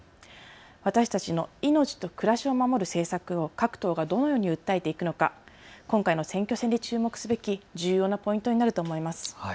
私たちの命と暮らしを守る政策を各党がどのように訴えていくのか今回の選挙戦で注目すべき重要なポイントになると思います。